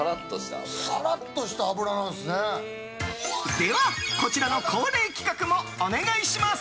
では、こちらの恒例企画もお願いします。